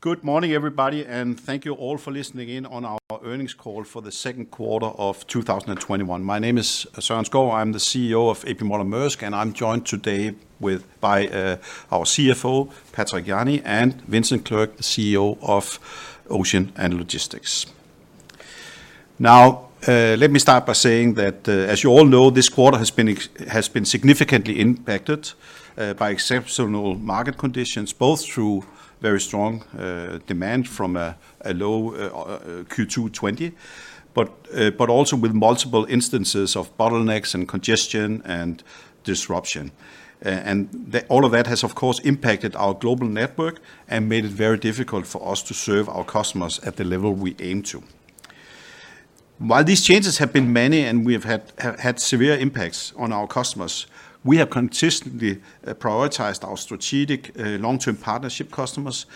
Good morning, everybody, and thank you all for listening in on our earnings call for the second quarter of 2021. My name is Søren Skou. I am the CEO of A.P. Moller - Maersk, and I am joined today by our CFO, Patrick Jany, and Vincent Clerc, the CEO of Ocean and Logistics. Let me start by saying that, as you all know, this quarter has been significantly impacted by exceptional market conditions, both through very strong demand from a low Q2 2020, but also with multiple instances of bottlenecks and congestion and disruption. All of that has, of course, impacted our global network and made it very difficult for us to serve our customers at the level we aim to. While these changes have been many, and we have had severe impacts on our customers, we have consistently prioritized our strategic long-term partnership customers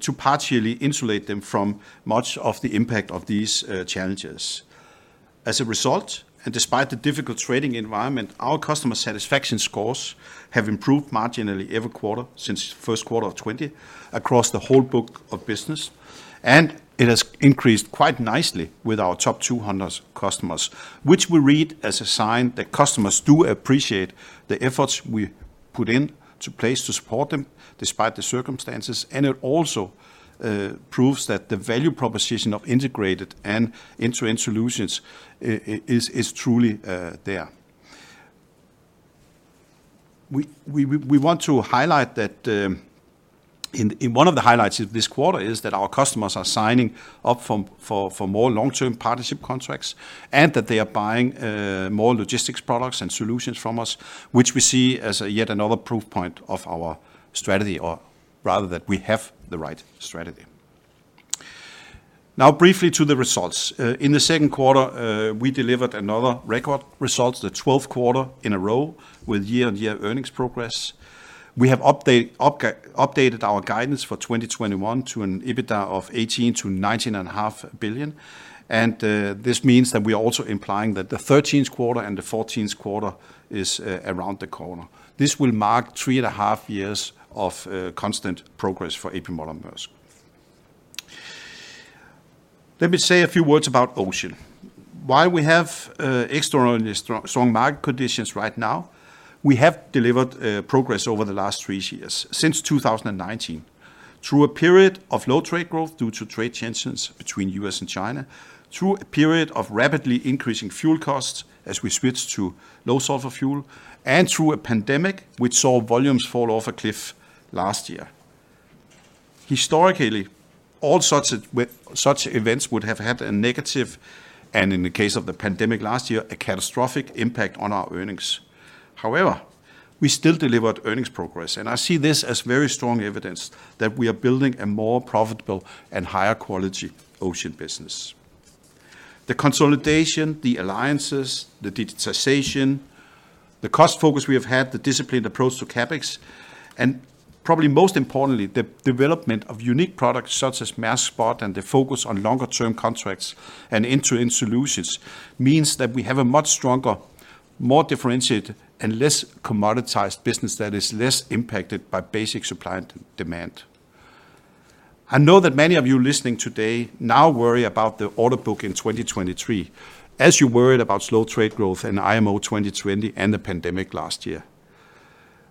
to partially insulate them from much of the impact of these challenges. As a result, and despite the difficult trading environment, our customer satisfaction scores have improved marginally every quarter since the first quarter of 2020 across the whole book of business, and it has increased quite nicely with our top 200 customers, which we read as a sign that customers do appreciate the efforts we put in to place to support them despite the circumstances. It also proves that the value proposition of integrated and end-to-end solutions is truly there. We want to highlight that one of the highlights of this quarter is that our customers are signing up for more long-term partnership contracts, that they are buying more logistics products and solutions from us, which we see as yet another proof point of our strategy, or rather, that we have the right strategy. Briefly to the results. In the second quarter, we delivered another record result, the 12th quarter in a row with year-over-year earnings progress. We have updated our guidance for 2021 to an EBITDA of $18 billion-$19.5 billion. This means that we are also implying that the 13th quarter and the 14th quarter is around the corner. This will mark three and a half years of constant progress for A.P. Moller - Maersk. Let me say a few words about Ocean. While we have extraordinarily strong market conditions right now, we have delivered progress over the last three years since 2019, through a period of low trade growth due to trade tensions between U.S. and China, through a period of rapidly increasing fuel costs as we switched to low sulfur fuel, and through a pandemic, which saw volumes fall off a cliff last year. Historically, all such events would have had a negative, and in the case of the pandemic last year, a catastrophic impact on our earnings. However, we still delivered earnings progress, and I see this as very strong evidence that we are building a more profitable and higher quality Ocean business. The consolidation, the alliances, the digitization, the cost focus we have had, the disciplined approach to CapEx, and probably most importantly, the development of unique products such as Maersk Spot and the focus on longer-term contracts and end-to-end solutions means that we have a much stronger, more differentiated, and less commoditized business that is less impacted by basic supply and demand. I know that many of you listening today now worry about the order book in 2023, as you worried about slow trade growth in IMO 2020 and the pandemic last year.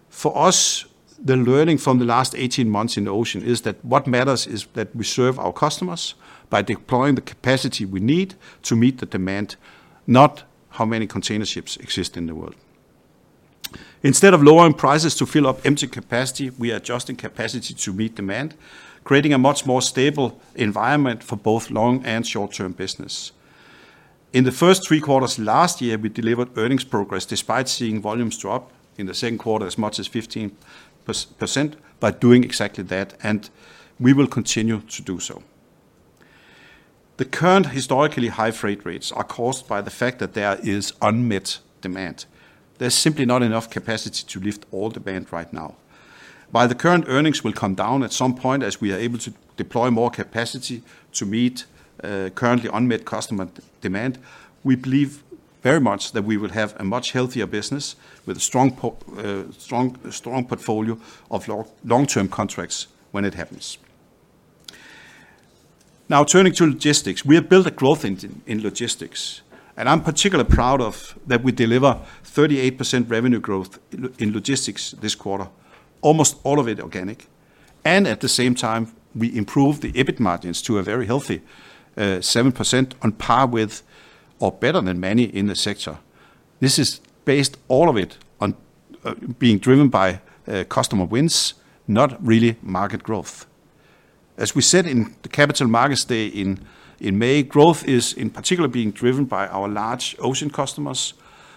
For us, the learning from the last 18 months in Ocean is that what matters is that we serve our customers by deploying the capacity we need to meet the demand, not how many container ships exist in the world. Instead of lowering prices to fill up empty capacity, we are adjusting capacity to meet demand, creating a much more stable environment for both long and short-term business. In the first three quarters last year, we delivered earnings progress despite seeing volumes drop in the second quarter as much as 15%, by doing exactly that, and we will continue to do so. The current historically high freight rates are caused by the fact that there is unmet demand. There's simply not enough capacity to lift all demand right now. While the current earnings will come down at some point as we are able to deploy more capacity to meet currently unmet customer demand, we believe very much that we will have a much healthier business with a strong portfolio of long-term contracts when it happens. Now turning to Logistics. We have built a growth engine in Logistics, and I'm particularly proud of that we deliver 38% revenue growth in Logistics this quarter, almost all of it organic, and at the same time, we improve the EBIT margins to a very healthy 7%, on par with or better than many in the sector. This is based all of it on being driven by customer wins, not really market growth. As we said in the Capital Markets Day in May, growth is in particular being driven by our large Ocean customers,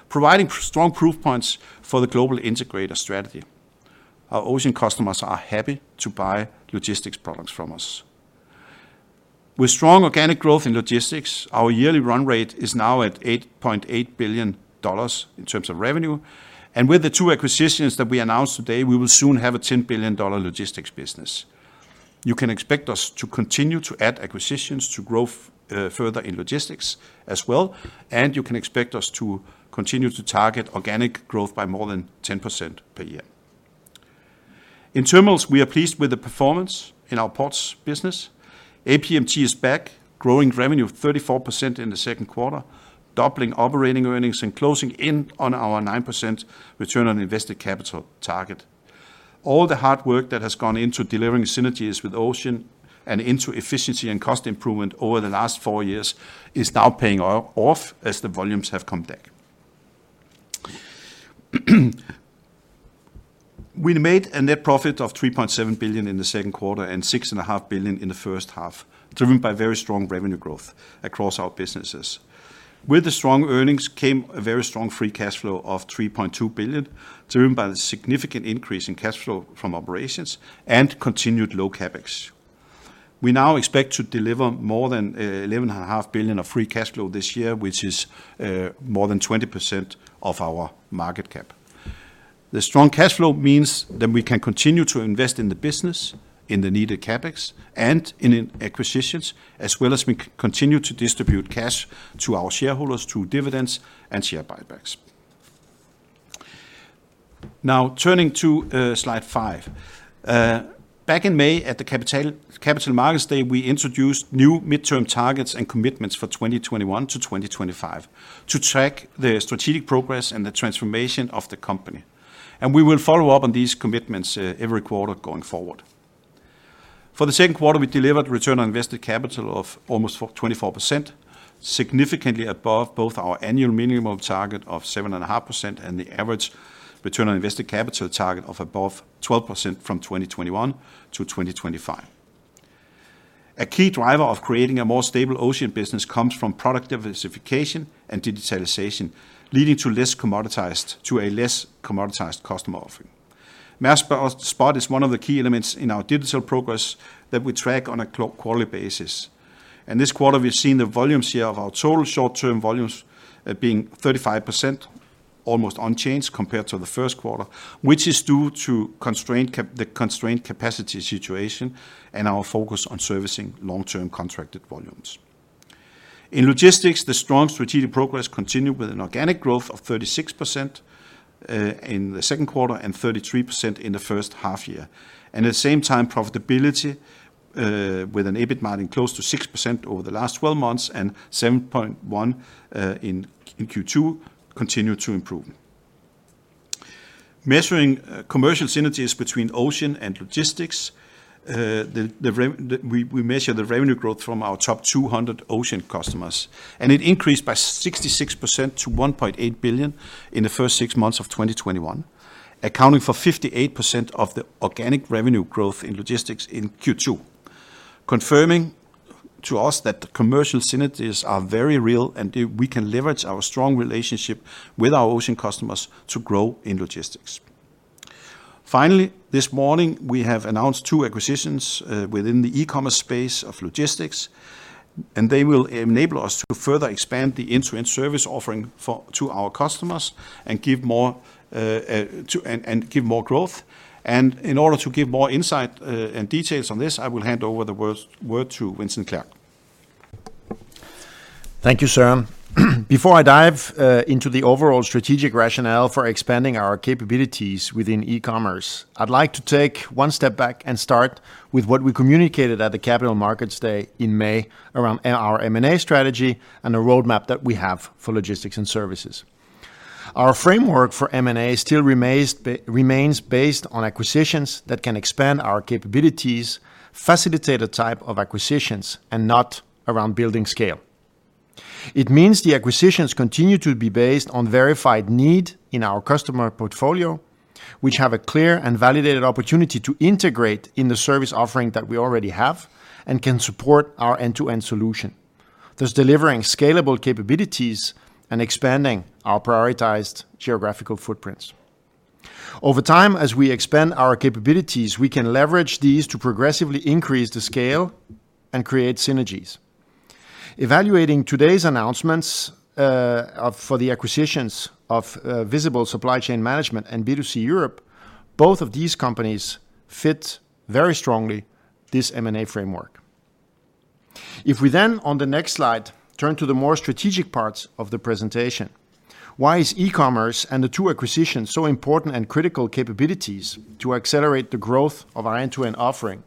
providing strong proof points for the global integrator strategy. Our Ocean customers are happy to buy logistics products from us. With strong organic growth in Logistics, our yearly run rate is now at $8.8 billion in terms of revenue. With the two acquisitions that we announced today, we will soon have a $10 billion Logistics business. You can expect us to continue to add acquisitions to grow further in Logistics as well, and you can expect us to continue to target organic growth by more than 10% per year. In Terminals, we are pleased with the performance in our ports business. APMT is back, growing revenue of 34% in the second quarter, doubling operating earnings, and closing in on our 9% return on invested capital target. All the hard work that has gone into delivering synergies with Ocean and into efficiency and cost improvement over the last four years is now paying off as the volumes have come back. We made a net profit of $3.7 billion in the second quarter and $6.5 billion in the first half, driven by very strong revenue growth across our businesses. With the strong earnings came a very strong free cash flow of $3.2 billion, driven by the significant increase in cash flow from operations and continued low CapEx. We now expect to deliver more than $11.5 billion of free cash flow this year, which is more than 20% of our market cap. The strong cash flow means that we can continue to invest in the business, in the needed CapEx, and in acquisitions, as well as we continue to distribute cash to our shareholders through dividends and share buybacks. Turning to Slide five. Back in May at the Capital Markets Day, we introduced new midterm targets and commitments for 2021 to 2025 to track the strategic progress and the transformation of the company. We will follow up on these commitments every quarter going forward. For the second quarter, we delivered return on invested capital of almost 24%, significantly above both our annual minimum target of 7.5% and the average return on invested capital target of above 12% from 2021 to 2025. A key driver of creating a more stable Ocean business comes from product diversification and digitalization, leading to a less commoditized customer offering. Maersk Spot is one of the key elements in our digital progress that we track on a quarterly basis. This quarter, we've seen the volume share of our total short-term volumes being 35%, almost unchanged compared to the first quarter, which is due to the constrained capacity situation and our focus on servicing long-term contracted volumes. In Logistics, the strong strategic progress continued with an organic growth of 36% in the second quarter and 33% in the first half-year. At the same time, profitability, with an EBIT margin close to 6% over the last 12 months and 7.1% in Q2, continued to improve. Measuring commercial synergies between Ocean and Logistics, we measure the revenue growth from our top 200 Ocean customers. It increased by 66% to $1.8 billion in the first six months of 2021, accounting for 58% of the organic revenue growth in Logistics in Q2, confirming to us that the commercial synergies are very real, and we can leverage our strong relationship with our Ocean customers to grow in Logistics. This morning, we have announced two acquisitions within the e-commerce space of Logistics. They will enable us to further expand the end-to-end service offering to our customers and give more growth. In order to give more insight and details on this, I will hand over the word to Vincent Clerc. Thank you, Søren. Before I dive into the overall strategic rationale for expanding our capabilities within e-commerce, I'd like to take one step back and start with what we communicated at the Capital Markets Day in May around our M&A strategy and the roadmap that we have for Logistics & Services. Our framework for M&A still remains based on acquisitions that can expand our capabilities, facilitate the type of acquisitions, and not around building scale. It means the acquisitions continue to be based on verified need in our customer portfolio, which have a clear and validated opportunity to integrate in the service offering that we already have and can support our end-to-end solution, thus delivering scalable capabilities and expanding our prioritized geographical footprints. Over time, as we expand our capabilities, we can leverage these to progressively increase the scale and create synergies. Evaluating today's announcements for the acquisitions of Visible Supply Chain Management and B2C Europe, both of these companies fit very strongly this M&A framework. If we, on the next slide, turn to the more strategic parts of the presentation, why is e-commerce and the two acquisitions so important and critical capabilities to accelerate the growth of our end-to-end offering?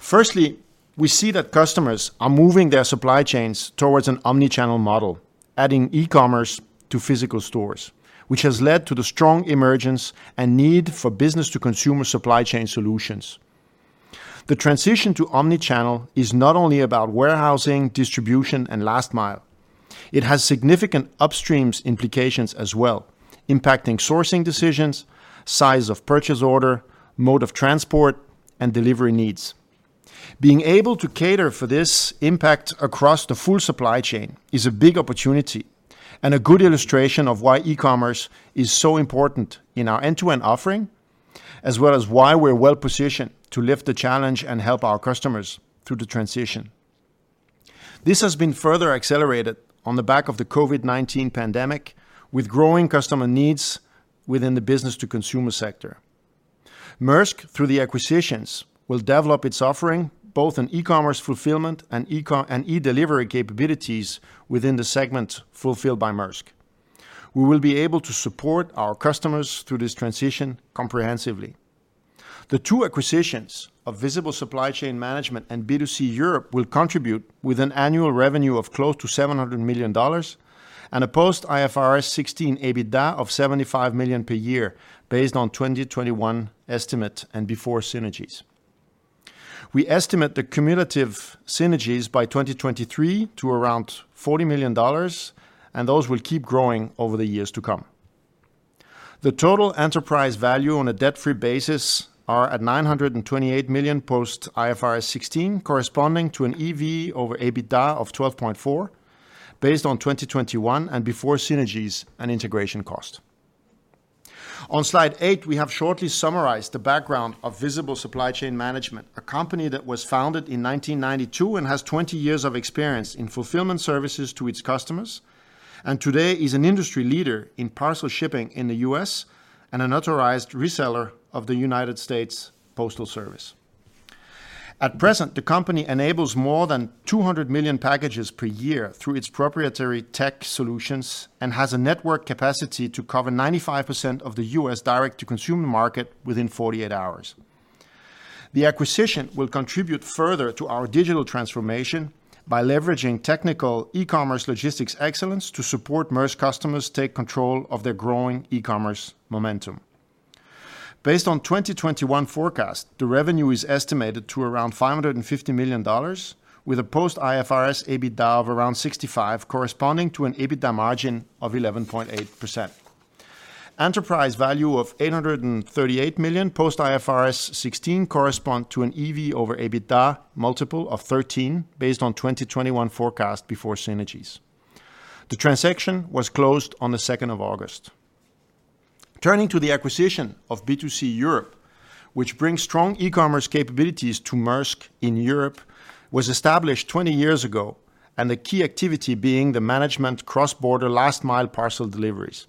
Firstly, we see that customers are moving their supply chains towards an omnichannel model, adding e-commerce to physical stores, which has led to the strong emergence and need for business-to-consumer supply chain solutions. The transition to omnichannel is not only about warehousing, distribution, and last mile. It has significant upstream implications as well, impacting sourcing decisions, size of purchase order, mode of transport, and delivery needs. Being able to cater for this impact across the full supply chain is a big opportunity and a good illustration of why e-commerce is so important in our end-to-end offering, as well as why we're well-positioned to lift the challenge and help our customers through the transition. This has been further accelerated on the back of the COVID-19 pandemic, with growing customer needs within the business-to-consumer sector. Maersk, through the acquisitions, will develop its offering, both in e-commerce fulfillment and e-delivery capabilities within the segment Fulfilled by Maersk. We will be able to support our customers through this transition comprehensively. The two acquisitions of Visible Supply Chain Management and B2C Europe will contribute with an annual revenue of close to $700 million and a post-IFRS 16 EBITDA of $75 million per year based on 2021 estimate and before synergies. We estimate the cumulative synergies by 2023 to around $40 million. Those will keep growing over the years to come. The total enterprise value on a debt-free basis are at $928 million post IFRS 16, corresponding to an EV/EBITDA of 12.4 based on 2021 and before synergies and integration cost. On Slide eight, we have shortly summarized the background of Visible Supply Chain Management, a company that was founded in 1992 and has 20 years of experience in fulfillment services to its customers, and today is an industry leader in parcel shipping in the U.S. and an authorized reseller of the United States Postal Service. At present, the company enables more than 200 million packages per year through its proprietary tech solutions and has a network capacity to cover 95% of the U.S. direct-to-consumer market within 48 hours. The acquisition will contribute further to our digital transformation by leveraging technical e-commerce logistics excellence to support Maersk customers take control of their growing e-commerce momentum. Based on 2021 forecast, the revenue is estimated to around $550 million with a post-IFRS EBITDA of around $65 million, corresponding to an EBITDA margin of 11.8%. Enterprise value of $838 million post IFRS 16 correspond to an EV/EBITDA multiple of 13x based on 2021 forecast before synergies. The transaction was closed on the 2nd of August. Turning to the acquisition of B2C Europe, which brings strong e-commerce capabilities to Maersk in Europe, was established 20 years ago, the key activity being the management cross-border last-mile parcel deliveries.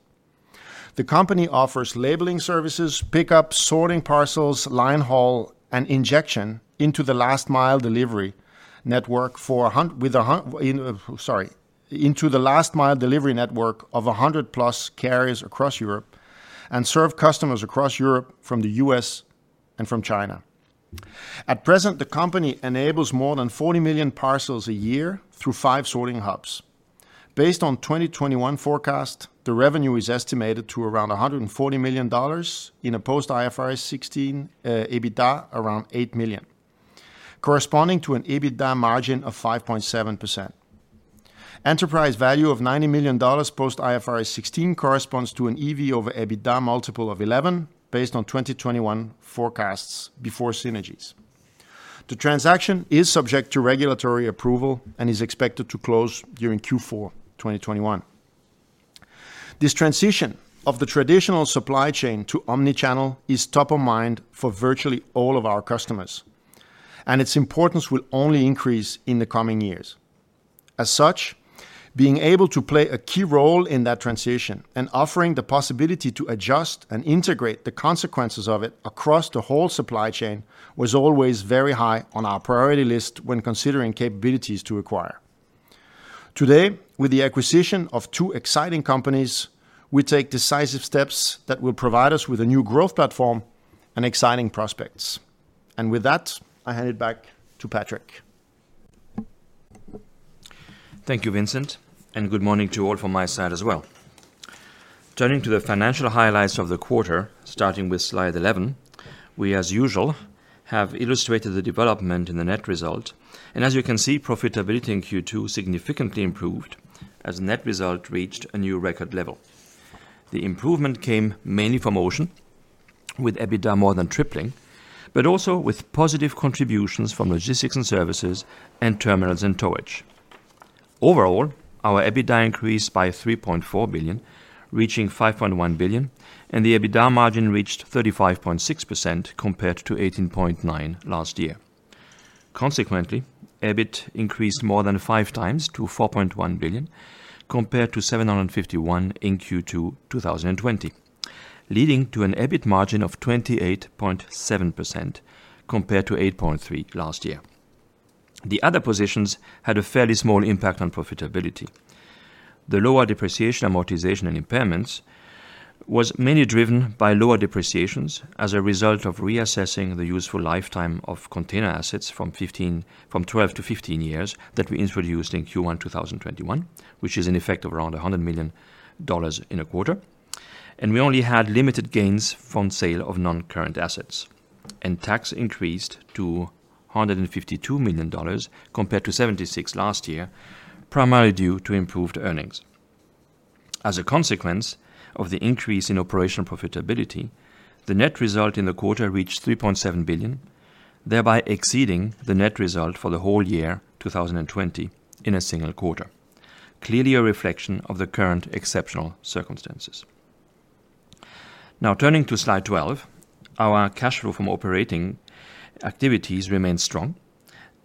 The company offers labeling services, pickup, sorting parcels, line haul, and injection into the last-mile delivery network of 100-plus carriers across Europe serve customers across Europe, from the U.S., and from China. At present, the company enables more than 40 million parcels a year through five sorting hubs. Based on 2021 forecast, the revenue is estimated to around $140 million in a post-IFRS 16 EBITDA around $8 million, corresponding to an EBITDA margin of 5.7%. Enterprise value of $90 million post IFRS 16 corresponds to an EV/EBITDA multiple of 11x based on 2021 forecasts before synergies. The transaction is subject to regulatory approval and is expected to close during Q4 2021. This transition of the traditional supply chain to omnichannel is top of mind for virtually all of our customers, and its importance will only increase in the coming years. As such, being able to play a key role in that transition and offering the possibility to adjust and integrate the consequences of it across the whole supply chain was always very high on our priority list when considering capabilities to acquire. Today, with the acquisition of two exciting companies, we take decisive steps that will provide us with a new growth platform and exciting prospects. With that, I hand it back to Patrick. Thank you, Vincent, and good morning to all from my side as well. Turning to the financial highlights of the quarter, starting with Slide 11, we, as usual, have illustrated the development in the net result, and as you can see, profitability in Q2 significantly improved as net result reached a new record level. The improvement came mainly from Ocean, with EBITDA more than tripling, but also with positive contributions from Logistics & Services and Terminals & Towage. Overall, our EBITDA increased by $3.4 billion, reaching $5.1 billion, and the EBITDA margin reached 35.6% compared to 18.9% last year. Consequently, EBIT increased more than 5x to $4.1 billion, compared to $751 million in Q2 2020, leading to an EBIT margin of 28.7% compared to 8.3% last year. The other positions had a fairly small impact on profitability. The lower depreciation, amortization, and impairments was mainly driven by lower depreciations as a result of reassessing the useful lifetime of container assets from 12-15 years that we introduced in Q1 2021, which is an effect of around $100 million in a quarter. We only had limited gains from sale of non-current assets, and tax increased to $152 million compared to $76 last year, primarily due to improved earnings. As a consequence of the increase in operational profitability, the net result in the quarter reached $3.7 billion, thereby exceeding the net result for the whole year 2020 in a single quarter. Clearly a reflection of the current exceptional circumstances. Now turning to Slide 12, our cash flow from operating activities remained strong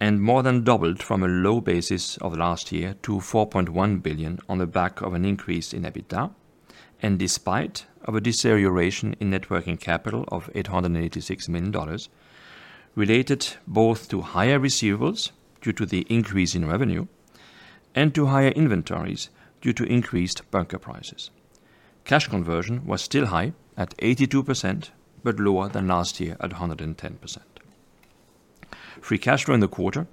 and more than doubled from a low basis of last year to $4.1 billion on the back of an increase in EBITDA and despite of a deterioration in net working capital of $886 million. Related both to higher receivables due to the increase in revenue and to higher inventories due to increased bunker prices. Cash conversion was still high at 82%, but lower than last year at 110%. Free cash flow in the quarter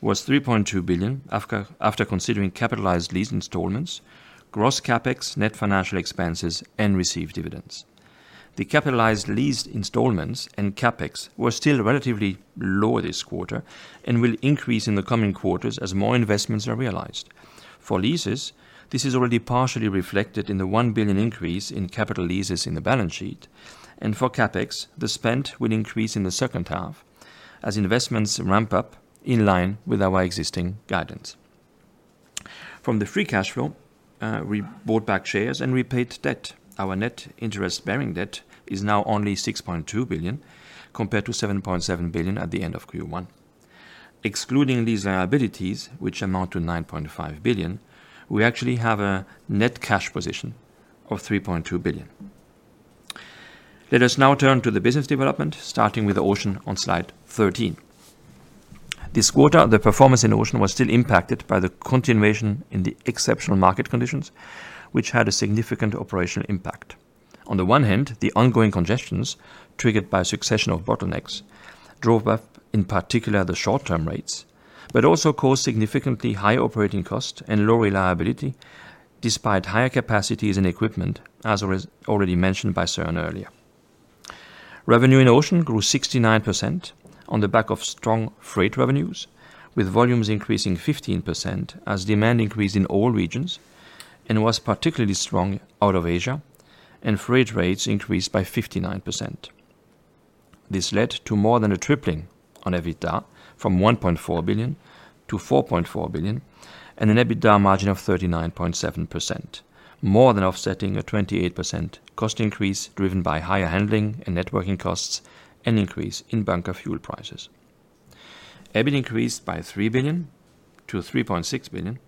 was $3.2 billion after considering capitalized lease installments, gross CapEx, net financial expenses, and received dividends. The capitalized lease installments and CapEx were still relatively low this quarter and will increase in the coming quarters as more investments are realized. For leases, this is already partially reflected in the $1 billion increase in capital leases in the balance sheet. For CapEx, the spend will increase in the second half as investments ramp up in line with our existing guidance. From the free cash flow, we bought back shares and repaid debt. Our net interest-bearing debt is now only $6.2 billion, compared to $7.7 billion at the end of Q1. Excluding these liabilities, which amount to $9.5 billion, we actually have a net cash position of $3.2 billion. Let us now turn to the business development, starting with Ocean on Slide 13. This quarter, the performance in Ocean was still impacted by the continuation in the exceptional market conditions, which had a significant operational impact. On the one hand, the ongoing congestions, triggered by a succession of bottlenecks, drove up, in particular, the short-term rates, but also caused significantly higher operating costs and low reliability, despite higher capacities and equipment, as was already mentioned by Søren earlier. Revenue in Ocean grew 69% on the back of strong freight revenues, with volumes increasing 15% as demand increased in all regions and was particularly strong out of Asia, and freight rates increased by 59%. This led to more than a tripling on EBITDA from $1.4 billion-$4.4 billion and an EBITDA margin of 39.7%, more than offsetting a 28% cost increase driven by higher handling and networking costs and increase in bunker fuel prices. EBIT increased by $3 billion-$3.6 billion,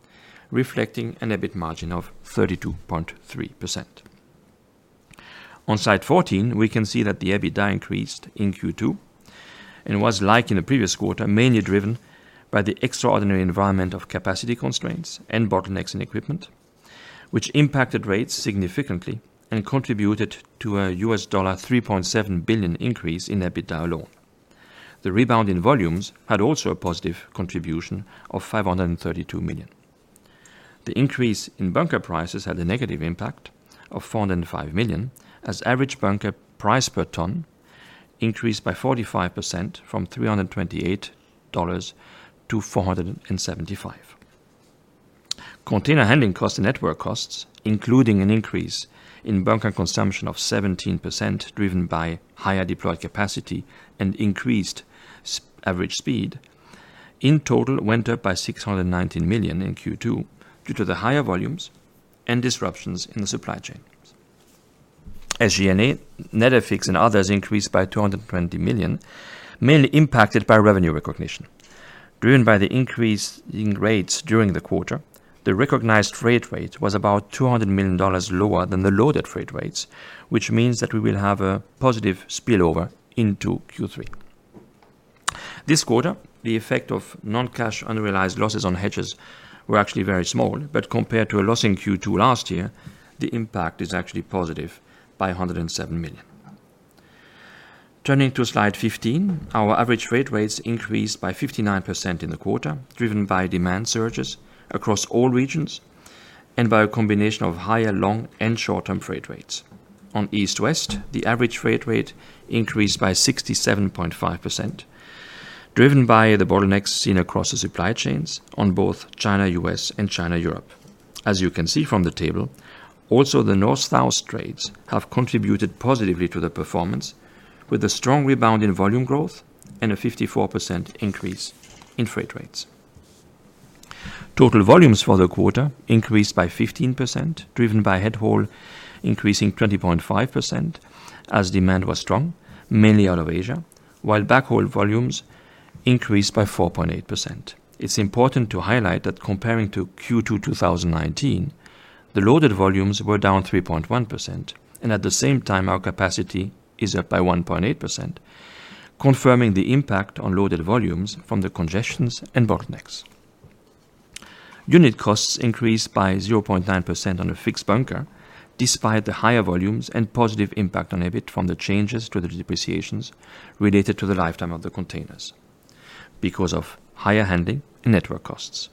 reflecting an EBIT margin of 32.3%. On Slide 14, we can see that the EBITDA increased in Q2 and was, like in the previous quarter, mainly driven by the extraordinary environment of capacity constraints and bottlenecks in equipment, which impacted rates significantly and contributed to a US dollar $3.7 billion increase in EBITDA alone. The rebound in volumes had also a positive contribution of $532 million. The increase in bunker prices had a negative impact of $405 million, as average bunker price per ton increased by 45% from $328-$475. Container handling cost and network costs, including an increase in bunker consumption of 17% driven by higher deployed capacity and increased average speed, in total went up by $619 million in Q2 due to the higher volumes and disruptions in the supply chains. SG&A, net of fixed and others increased by $220 million, mainly impacted by revenue recognition. Driven by the increase in rates during the quarter, the recognized freight rate was about $200 million lower than the loaded freight rates, which means that we will have a positive spillover into Q3. This quarter, the effect of non-cash unrealized losses on hedges were actually very small. Compared to a loss in Q2 last year, the impact is actually positive by $107 million. Turning to Slide 15, our average freight rates increased by 59% in the quarter, driven by demand surges across all regions and by a combination of higher long and short-term freight rates. On East-West, the average freight rate increased by 67.5%, driven by the bottlenecks seen across the supply chains on both China-US and China-Europe. As you can see from the table, also the North-South trades have contributed positively to the performance with a strong rebound in volume growth and a 54% increase in freight rates. Total volumes for the quarter increased by 15%, driven by head haul increasing 20.5% as demand was strong, mainly out of Asia, while back haul volumes increased by 4.8%. It's important to highlight that comparing to Q2 2019, the loaded volumes were down 3.1%. At the same time, our capacity is up by 1.8%, confirming the impact on loaded volumes from the congestions and bottlenecks. Unit costs increased by 0.9% on a fixed bunker, despite the higher volumes and positive impact on EBIT from the changes to the depreciations related to the lifetime of the containers because of higher handling and network costs.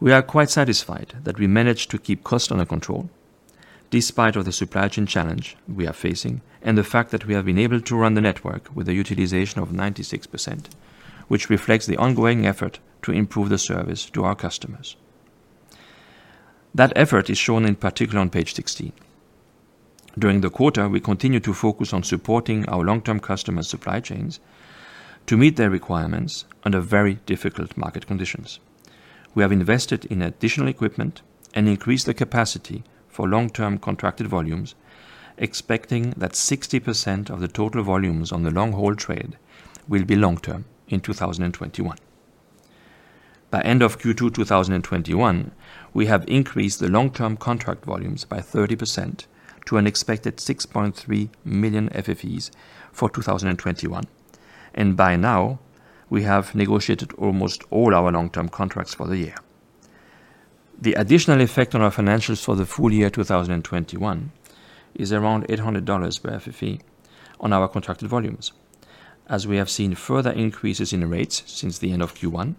We are quite satisfied that we managed to keep costs under control despite of the supply chain challenge we are facing and the fact that we have been able to run the network with a utilization of 96%, which reflects the ongoing effort to improve the service to our customers. That effort is shown in particular on Page 16. During the quarter, we continued to focus on supporting our long-term customer supply chains to meet their requirements under very difficult market conditions. We have invested in additional equipment and increased the capacity for long-term contracted volumes, expecting that 60% of the total volumes on the long-haul trade will be long-term in 2021. By end of Q2 2021, we have increased the long-term contract volumes by 30% to an expected 6.3 million FFEs for 2021. By now, we have negotiated almost all our long-term contracts for the year. The additional effect on our financials for the full-year 2021 is around $800 per FFE on our contracted volumes, as we have seen further increases in rates since the end of Q1,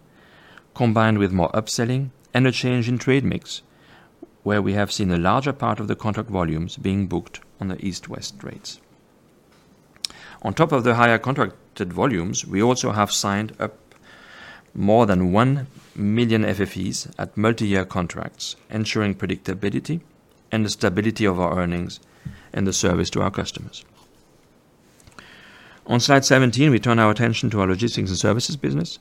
combined with more upselling and a change in trade mix, where we have seen a larger part of the contract volumes being booked on the East-West rates. On top of the higher contracted volumes, we also have signed up more than 1 million FFEs at multi-year contracts, ensuring predictability and the stability of our earnings, and the service to our customers. On Slide 17, we turn our attention to our Logistics & Services business,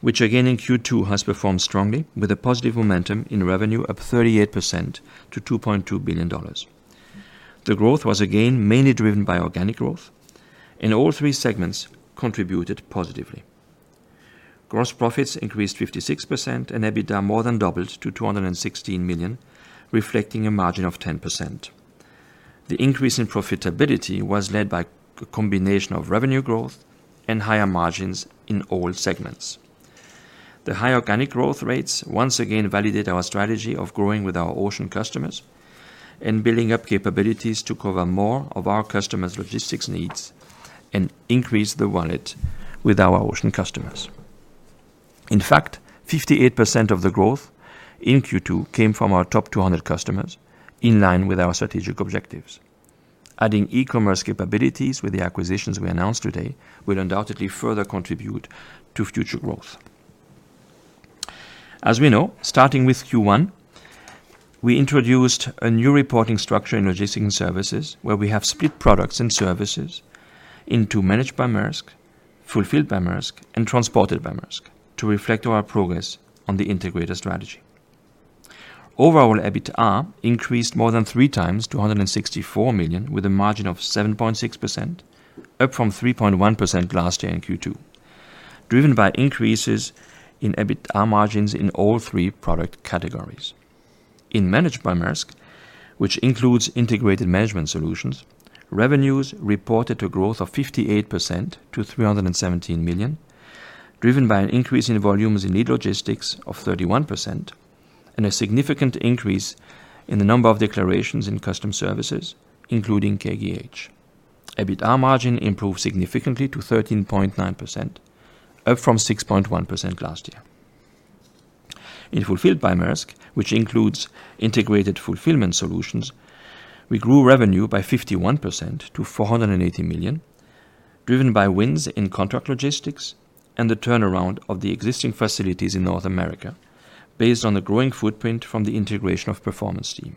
which again in Q2 has performed strongly with a positive momentum in revenue up 38% to $2.2 billion. The growth was again mainly driven by organic growth, and all three segments contributed positively. Gross profits increased 56% and EBITDA more than doubled to $216 million, reflecting a margin of 10%. The increase in profitability was led by a combination of revenue growth and higher margins in all segments. The high organic growth rates once again validate our strategy of growing with our ocean customers and building up capabilities to cover more of our customers' logistics needs and increase the wallet with our Ocean customers. In fact, 58% of the growth in Q2 came from our top 200 customers, in line with our strategic objectives. Adding e-commerce capabilities with the acquisitions we announced today will undoubtedly further contribute to future growth. As we know, starting with Q1, we introduced a new reporting structure in Logistics & Services, where we have split products and services into Managed by Maersk, Fulfilled by Maersk, and Transported by Maersk to reflect our progress on the integrator strategy. Overall, EBITDA increased more than 3x to $164 million, with a margin of 7.6%, up from 3.1% last year in Q2, driven by increases in EBITDA margins in all three product categories. In Managed by Maersk, which includes integrated management solutions, revenues reported a growth of 58% to $317 million, driven by an increase in volumes in lead logistics of 31% and a significant increase in the number of declarations in customs services, including KGH. EBITDA margin improved significantly to 13.9%, up from 6.1% last year. In Fulfilled by Maersk, which includes integrated fulfillment solutions, we grew revenue by 51% to $480 million, driven by wins in contract logistics and the turnaround of the existing facilities in North America based on the growing footprint from the integration of Performance Team.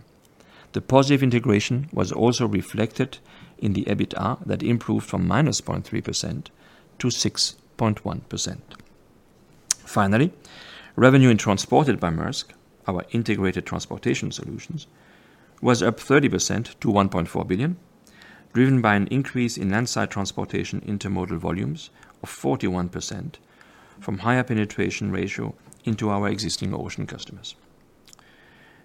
The positive integration was also reflected in the EBITDA that improved from -0.3% to 6.1%. Finally, revenue in Transported by Maersk, our integrated transportation solutions, was up 30% to $1.4 billion, driven by an increase in landside transportation intermodal volumes of 41% from higher penetration ratio into our existing ocean customers.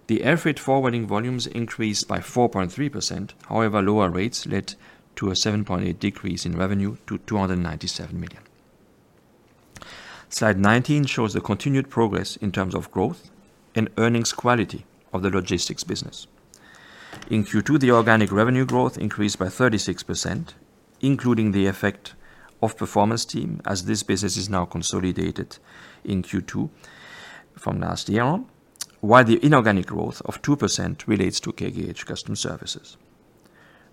The air freight forwarding volumes increased by 4.3%. Lower rates led to a 7.8% decrease in revenue to $297 million. Slide 19 shows the continued progress in terms of growth and earnings quality of the logistics business. In Q2, the organic revenue growth increased by 36%, including the effect of Performance Team, as this business is now consolidated in Q2 from last year on, while the inorganic growth of 2% relates to KGH Customs Services.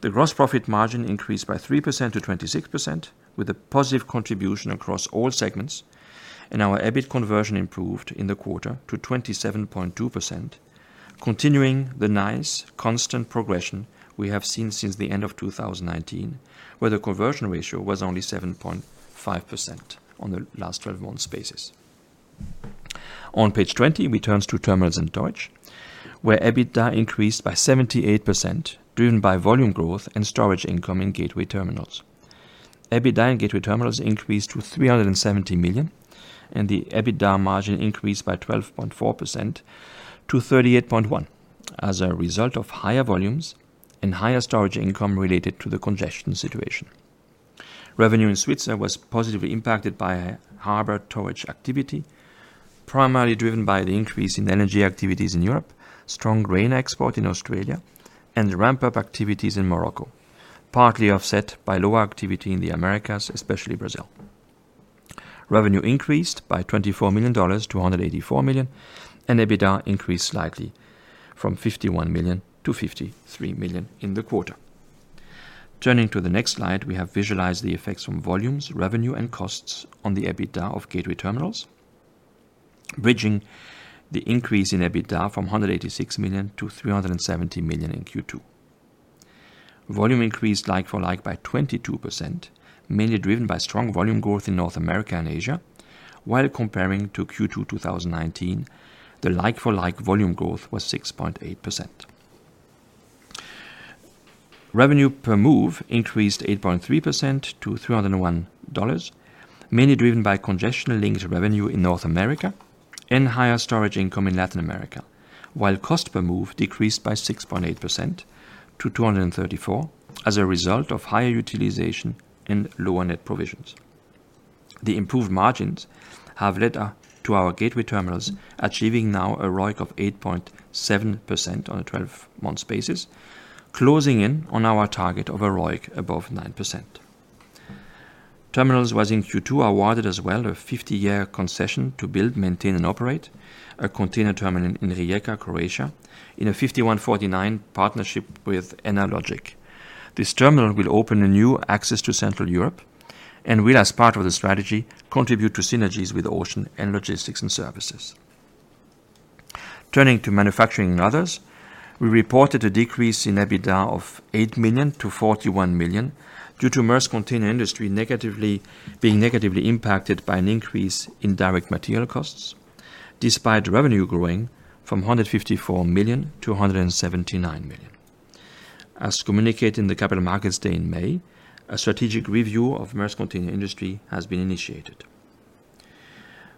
The gross profit margin increased by 3%-26%, with a positive contribution across all segments, and our EBIT conversion improved in the quarter to 27.2%, continuing the nice constant progression we have seen since the end of 2019, where the conversion ratio was only 7.5% on the last 12 months basis. On Page 20, we turn to Terminals & Towage, where EBITDA increased by 78%, driven by volume growth and storage income in Gateway Terminals. EBITDA in Gateway Terminals increased to $370 million, and the EBITDA margin increased by 12.4% to 38.1% as a result of higher volumes and higher storage income related to the congestion situation. Revenue in Svitzer was positively impacted by harbor towage activity, primarily driven by the increase in energy activities in Europe, strong grain export in Australia, and ramp-up activities in Morocco, partly offset by lower activity in the Americas, especially Brazil. Revenue increased by $24 million to $184 million, and EBITDA increased slightly from $51 million-$53 million in the quarter. Turning to the next slide, we have visualized the effects from volumes, revenue, and costs on the EBITDA of Gateway Terminals, bridging the increase in EBITDA from $186 million-$370 million in Q2. Volume increased like-for-like by 22%, mainly driven by strong volume growth in North America and Asia. Comparing to Q2 2019, the like-for-like volume growth was 6.8%. Revenue per move increased 8.3% to $301, mainly driven by congestion-linked revenue in North America and higher storage income in Latin America. Cost per move decreased by 6.8% to $234, as a result of higher utilization and lower net provisions. The improved margins have led to our Gateway Terminals achieving now a ROIC of 8.7% on a 12-month basis, closing in on our target of a ROIC above 9%. Terminals was in Q2 awarded as well a 50-year concession to build, maintain, and operate a container terminal in Rijeka, Croatia, in a 51/49 partnership with ENNA Logic. This terminal will open a new access to Central Europe and will, as part of the strategy, contribute to synergies with Ocean & Logistics & Services. Turning to Manufacturing & Others, we reported a decrease in EBITDA of $8 million to $41 million due to Maersk Container Industry being negatively impacted by an increase in direct material costs, despite revenue growing from $154 million-$179 million. As communicated in the Capital Markets Day in May, a strategic review of Maersk Container Industry has been initiated.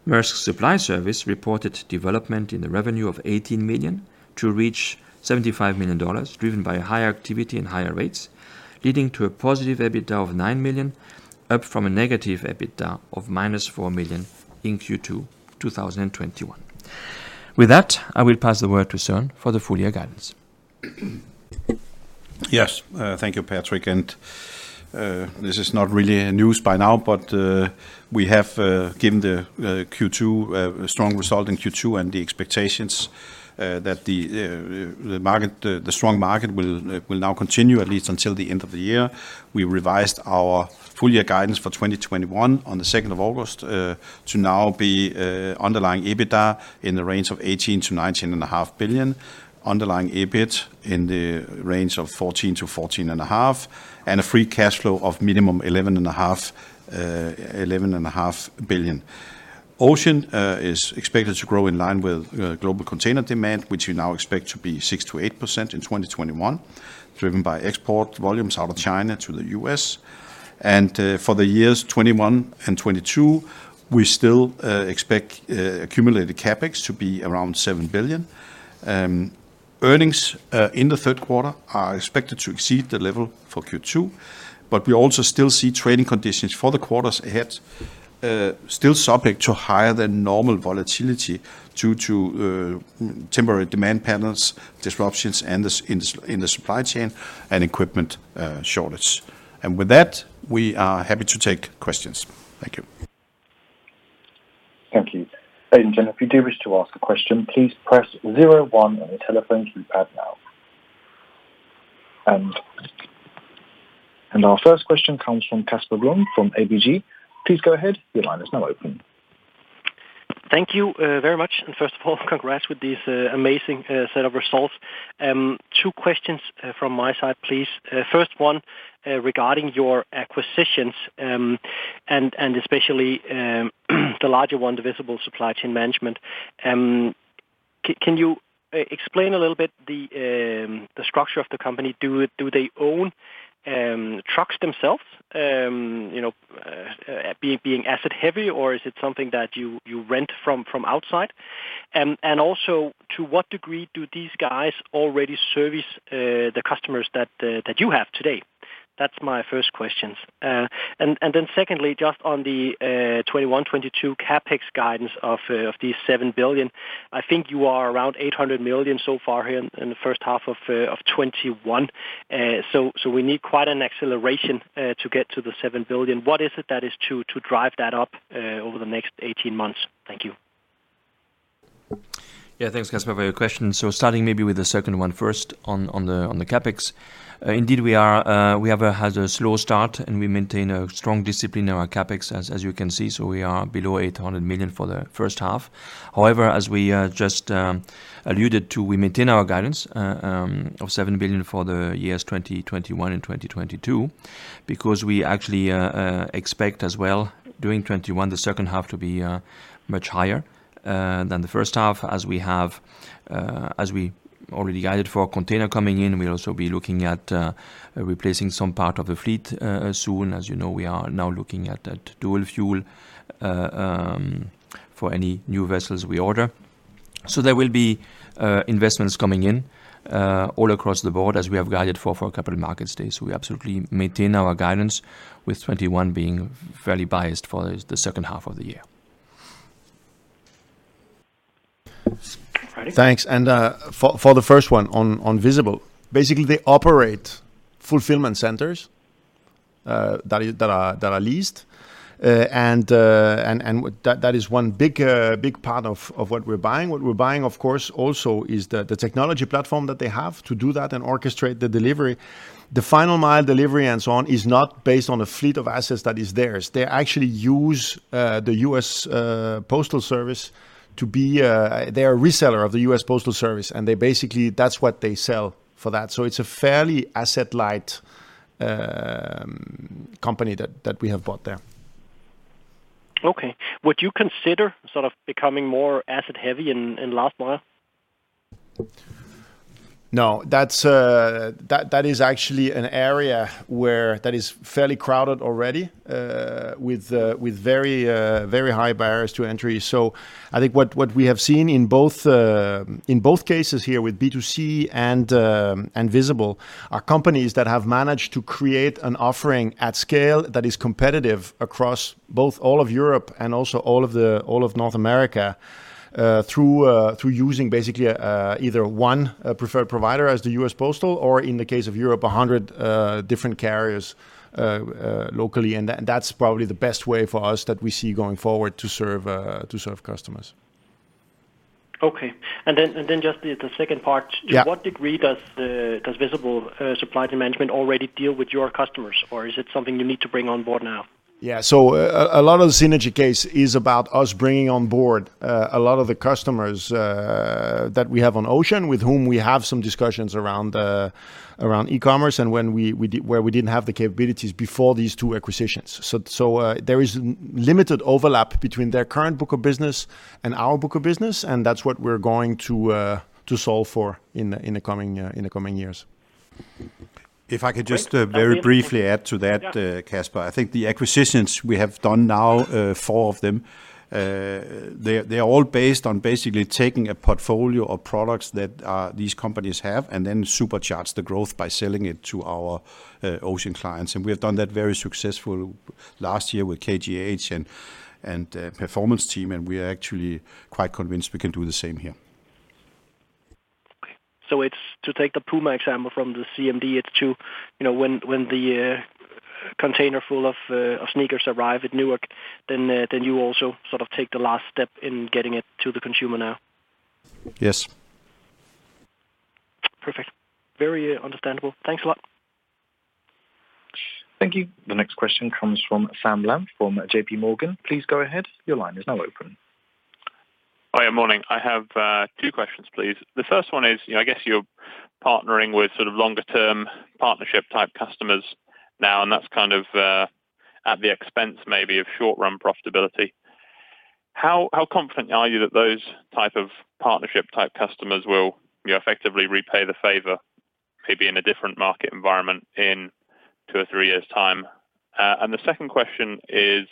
Maersk Supply Service reported development in the revenue of $18 million to reach $75 million, driven by higher activity and higher rates, leading to a positive EBITDA of $9 million, up from a negative EBITDA of -$4 million in Q2 2021. With that, I will pass the word to Søren for the full-year guidance. Yes. Thank you, Patrick. This is not really news by now, but we have given the strong result in Q2 and the expectations that the strong market will now continue at least until the end of the year. We revised our full-year guidance for 2021 on the 2nd of August to now be underlying EBITDA in the range of $18 billion-$19.5 billion, underlying EBIT in the range of $14 billion-$14.5 billion, and a free cash flow of minimum $11.5 billion. Ocean is expected to grow in line with global container demand, which we now expect to be 6%-8% in 2021, driven by export volumes out of China to the U.S. For the years 2021 and 2022, we still expect accumulated CapEx to be around $7 billion. Earnings in the third quarter are expected to exceed the level for Q2. We also still see trading conditions for the quarters ahead still subject to higher than normal volatility due to temporary demand patterns, disruptions in the supply chain, and equipment shortage. With that, we are happy to take questions. Thank you. Thank you. Ladies and gentlemen, if you do wish to ask a question, please press zero one on your telephone keypad now. Our first question comes from Casper Blom from ABG. Please go ahead. Your line is now open. Thank you very much. First of all, congrats with this amazing set of results. Two questions from my side, please. First one, regarding your acquisitions, especially the larger one, the Visible Supply Chain Management. Can you explain a little bit the structure of the company? Do they own trucks themselves, being asset heavy, or is it something that you rent from outside? Also, to what degree do these guys already service the customers that you have today? That's my first questions. Secondly, just on the 2021, 2022 CapEx guidance of these $7 billion, I think you are around $800 million so far here in the first half of 2021. We need quite an acceleration to get to the $7 billion. What is it that is to drive that up over the next 18 months? Thank you. Thanks, Casper, for your question. Starting maybe with the second one first on the CapEx. Indeed we have had a slow start, and we maintain a strong discipline on our CapEx, as you can see. We are below $800 million for the first half. However, as we just alluded to, we maintain our guidance of $7 billion for the years 2021 and 2022 because we actually expect as well during 2021, the second half to be much higher than the first half, as we already guided for container coming in. We'll also be looking at replacing some part of the fleet soon. As you know, we are now looking at dual fuel for any new vessels we order. There will be investments coming in all across the board as we have guided for a couple of Capital Markets Days. We absolutely maintain our guidance with 2021 being fairly biased for the second half of the year. Thanks. For the first one on Visible, basically they operate fulfillment centers that are leased, and that is 1 big part of what we're buying. What we're buying, of course, also is the technology platform that they have to do that and orchestrate the delivery. The final mile delivery and so on is not based on a fleet of assets that is theirs. They actually use the U.S. Postal Service. They're a reseller of the U.S. Postal Service, and they basically, that's what they sell for that. It's a fairly asset-light company that we have bought there. Okay. Would you consider becoming more asset-heavy in last mile? No, that is actually an area that is fairly crowded already, with very high barriers to entry. I think what we have seen in both cases here with B2C and Visible are companies that have managed to create an offering at scale that is competitive across both all of Europe and also all of North America, through using basically either one preferred provider as the U.S. Postal, or in the case of Europe, 100 different carriers locally. That's probably the best way for us that we see going forward to serve customers. Okay. Just the second part. Yeah. To what degree does Visible Supply Chain Management already deal with your customers? Or is it something you need to bring on board now? Yeah. A lot of the synergy case is about us bringing on board a lot of the customers that we have on Ocean, with whom we have some discussions around e-commerce and where we didn't have the capabilities before these two acquisitions. There is limited overlap between their current book of business and our book of business, and that's what we're going to solve for in the coming years. If I could just very briefly add to that, Casper. I think the acquisitions we have done now, four of them, they are all based on basically taking a portfolio of products that these companies have and then supercharge the growth by selling it to our Ocean clients. We have done that very successful last year with KGH and Performance Team, and we are actually quite convinced we can do the same here. Okay. It's to take the PUMA example from the CMD, it's to, when the container full of sneakers arrive at Newark, then you also sort of take the last step in getting it to the consumer now? Yes. Perfect. Very understandable. Thanks a lot. Thank you. The next question comes from Sam Bland from JPMorgan. Please go ahead. Your line is now open. Hiya. Morning. I have two questions, please. The first one is, I guess you're partnering with sort of longer-term partnership type customers now, and that's kind of at the expense maybe of short-run profitability. How confident are you that those type of partnership type customers will effectively repay the favor, maybe in a different market environment in two or three years' time? The second question is,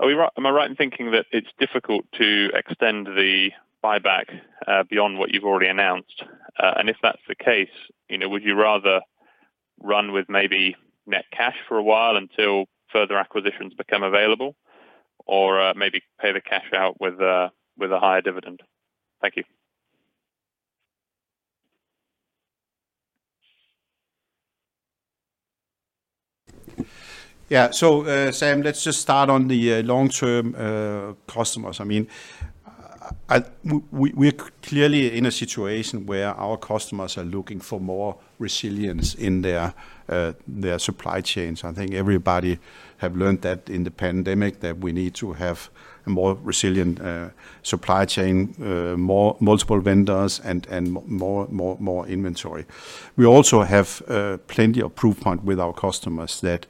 am I right in thinking that it's difficult to extend the buyback beyond what you've already announced? If that's the case, would you rather run with maybe net cash for a while until further acquisitions become available or maybe pay the cash out with a higher dividend? Thank you. Yeah. Sam, let's just start on the long-term customers. We're clearly in a situation where our customers are looking for more resilience in their supply chains. I think everybody have learned that in the pandemic that we need to have a more resilient supply chain, multiple vendors and more inventory. We also have plenty of proof point with our customers that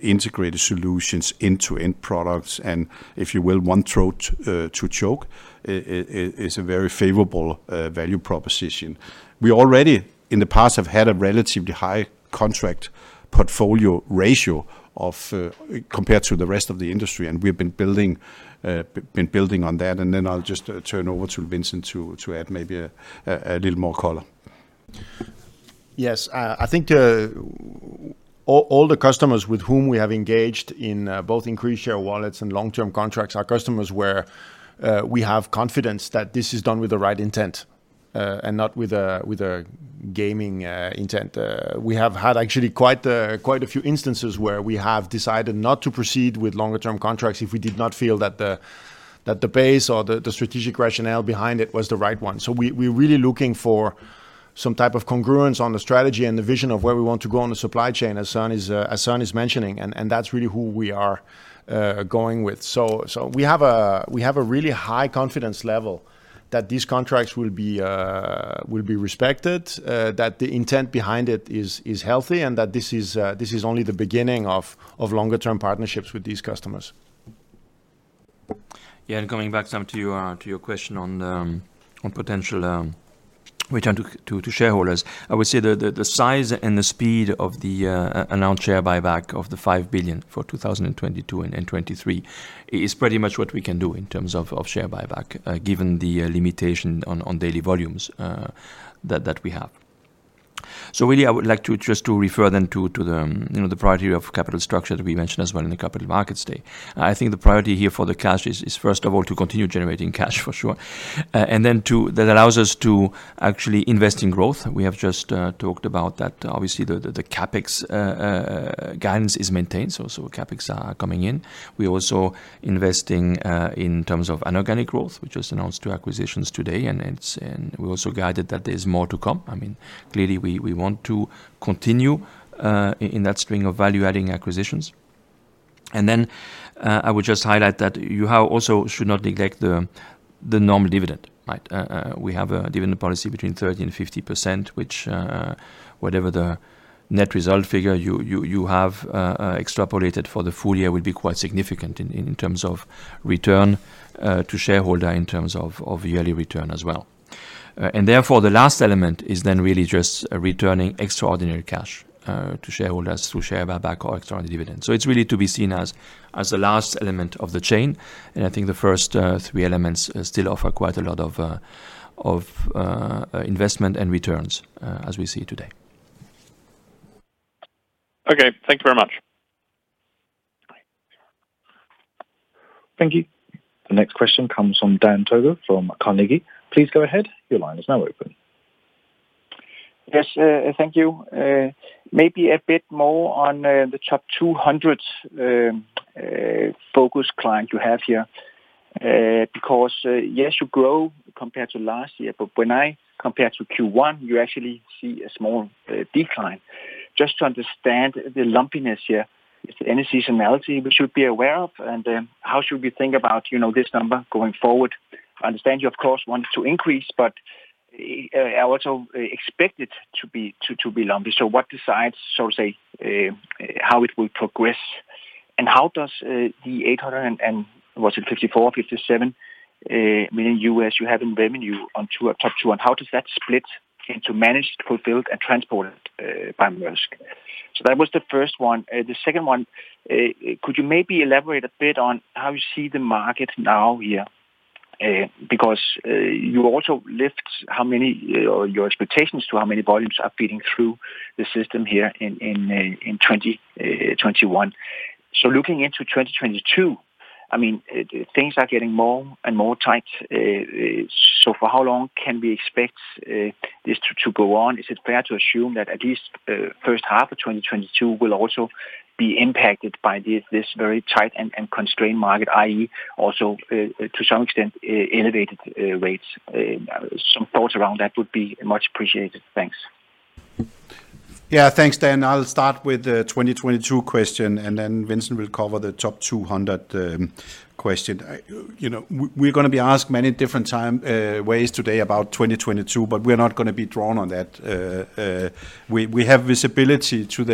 integrated solutions into end products and if you will, one throat to choke is a very favorable value proposition. We already in the past have had a relatively high contract portfolio ratio compared to the rest of the industry, and we've been building on that. I'll just turn over to Vincent to add maybe a little more color. Yes. I think all the customers with whom we have engaged in both increased share wallets and long-term contracts are customers where we have confidence that this is done with the right intent, and not with a gaming intent. We have had actually quite a few instances where we have decided not to proceed with longer-term contracts if we did not feel that the pace or the strategic rationale behind it was the right one. We're really looking for some type of congruence on the strategy and the vision of where we want to go on the supply chain, as Søren is mentioning, and that's really who we are going with. We have a really high confidence level that these contracts will be respected, that the intent behind it is healthy, and that this is only the beginning of longer-term partnerships with these customers. Yeah. Coming back, Sam, to your question on potential return to shareholders. I would say the size and the speed of the announced share buyback of the $5 billion for 2022 and 2023 is pretty much what we can do in terms of share buyback, given the limitation on daily volumes that we have. Really, I would like to just to refer them to the priority of capital structure that we mentioned as well in the Capital Markets Day. I think the priority here for the cash is first of all to continue generating cash for sure. Then that allows us to actually invest in growth. We have just talked about that. Obviously, the CapEx guidance is maintained, CapEx are coming in. We also investing in terms of inorganic growth. We just announced two acquisitions today, we also guided that there's more to come. Clearly, we want to continue in that string of value-adding acquisitions. I would just highlight that you also should not neglect the The normal dividend, right? We have a dividend policy between 30% and 50%, which, whatever the net result figure you have extrapolated for the full year, will be quite significant in terms of return to shareholder, in terms of yearly return as well. Therefore, the last element is then really just returning extraordinary cash to shareholders through share buyback or extraordinary dividends. It's really to be seen as the last element of the chain, and I think the first three elements still offer quite a lot of investment and returns as we see today. Okay, thank you very much. Bye. Thank you. The next question comes from Dan Togo from Carnegie. Please go ahead. Your line is now open. Yes, thank you. Maybe a bit more on the top 200 focus client you have here, because yes, you grow compared to last year, but when I compare to Q1, you actually see a small decline. Just to understand the lumpiness here, is there any seasonality we should be aware of? How should we think about this number going forward? I understand you of course want it to increase, but I also expect it to be lumpy. What decides how it will progress, and how does the $800 and, was it 54, 57 million U.S. you have in revenue on top two, and how does that split into Managed by Maersk, Fulfilled by Maersk, and Transported by Maersk? That was the first one. The second one, could you maybe elaborate a bit on how you see the market now here? You also lift your expectations to how many volumes are feeding through the system here in 2021. Looking into 2022, things are getting more and more tight. For how long can we expect this to go on? Is it fair to assume that at least first half of 2022 will also be impacted by this very tight and constrained market, i.e., also to some extent, elevated rates? Some thoughts around that would be much appreciated. Thanks. Yeah. Thanks, Dan. I'll start with the 2022 question. Vincent will cover the top 200 question. We're going to be asked many different ways today about 2022. We're not going to be drawn on that. We have good visibility to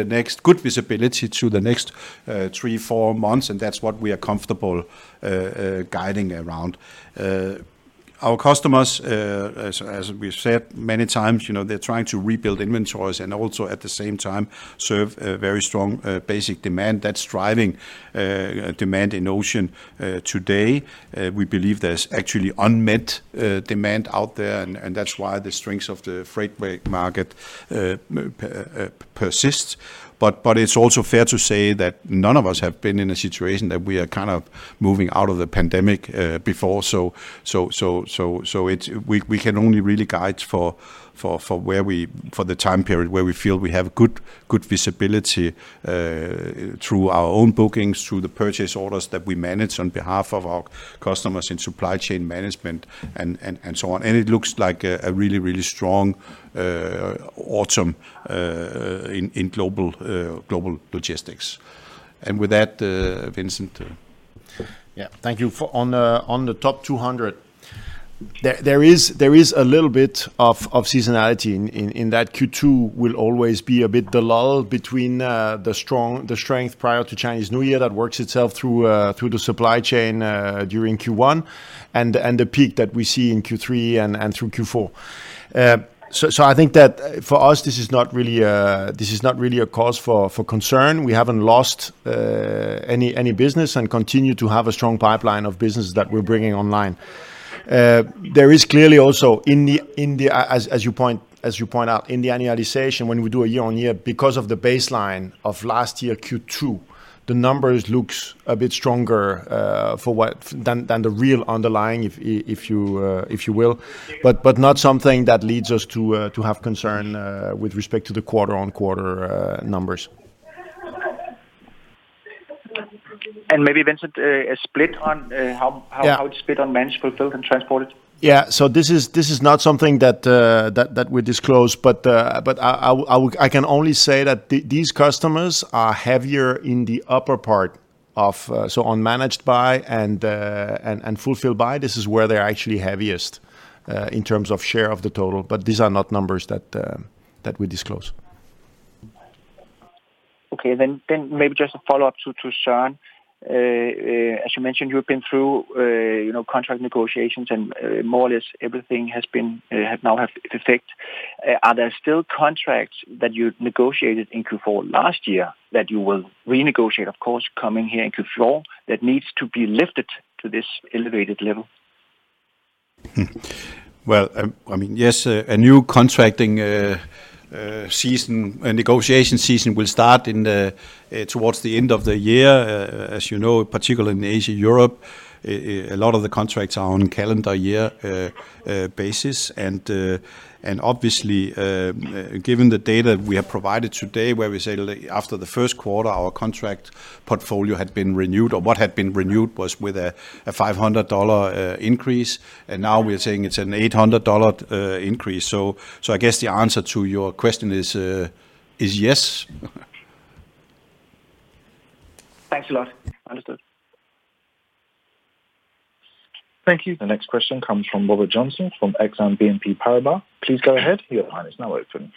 the next three, four months. That's what we are comfortable guiding around. Our customers, as we've said many times, they're trying to rebuild inventories. Also at the same time, serve a very strong basic demand that's driving demand in ocean today. We believe there's actually unmet demand out there. That's why the strengths of the freight market persist. It's also fair to say that none of us have been in a situation that we are kind of moving out of the pandemic before. We can only really guide for the time period where we feel we have good visibility through our own bookings, through the purchase orders that we manage on behalf of our customers in supply chain management, and so on. It looks like a really, really strong autumn in global logistics. With that, Vincent. Yeah. Thank you. On the top 200, there is a little bit of seasonality in that Q2 will always be a bit the lull between the strength prior to Chinese New Year that works itself through the supply chain during Q1, and the peak that we see in Q3 and through Q4. I think that for us, this is not really a cause for concern. We haven't lost any business and continue to have a strong pipeline of business that we're bringing online. There is clearly also, as you point out, in the annualization, when we do a year-over-year, because of the baseline of last year Q2, the numbers looks a bit stronger than the real underlying, if you will, but not something that leads us to have concern with respect to the quarter-on-quarter numbers. Maybe, Vincent, a split on how. Yeah it's split on Managed, Fulfilled, and Transported? Yeah. This is not something that we disclose, but I can only say that these customers are heavier in the upper part. On Managed by Maersk and Fulfilled by Maersk, this is where they're actually heaviest in terms of share of the total, but these are not numbers that we disclose. Maybe just a follow-up to Søren. As you mentioned, you've been through contract negotiations and more or less everything now have effect. Are there still contracts that you negotiated in Q4 last year that you will renegotiate, of course, coming here in Q4, that needs to be lifted to this elevated level? Well, yes, a new contracting negotiation season will start towards the end of the year. As you know, particularly in Asia, Europe, a lot of the contracts are on calendar year basis. Obviously, given the data we have provided today where we say after the first quarter, our contract portfolio had been renewed, or what had been renewed was with a $500 increase, and now we are saying it's an $800 increase. I guess the answer to your question is yes. Thank you. Understood. Thank you. The next question comes from Robert Joynson from Exane BNP Paribas. Please go ahead. Your line is now open.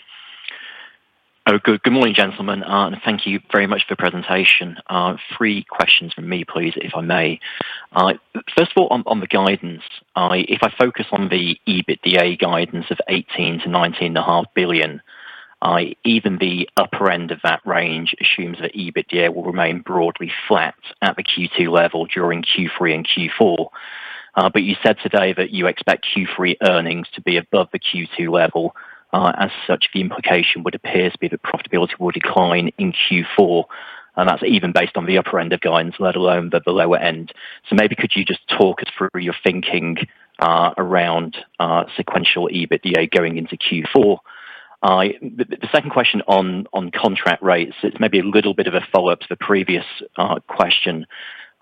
Good morning, gentlemen. Thank you very much for the presentation. Three questions from me, please, if I may. First of all, on the guidance, if I focus on the EBITDA guidance of $18 billion-$19.5 billion, even the upper end of that range assumes that EBITDA will remain broadly flat at the Q2 level during Q3 and Q4. You said today that you expect Q3 earnings to be above the Q2 level. As such, the implication would appear to be that profitability will decline in Q4, and that's even based on the upper end of guidance, let alone the lower end. Maybe could you just talk us through your thinking around sequential EBITDA going into Q4? The second question on contract rates, it is maybe a little bit of a follow-up to the previous question.